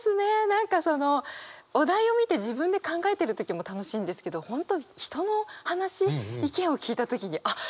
何かそのお題を見て自分で考えてる時も楽しいんですけど本当人の話意見を聞いた時にあっ